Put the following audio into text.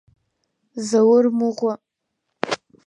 Заур мыӷәа!